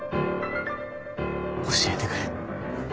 教えてくれ。